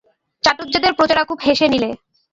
চাটুজ্যেদের প্রজারা খুব হেসে নিলে।